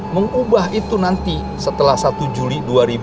mengubah itu nanti setelah satu juli dua ribu dua puluh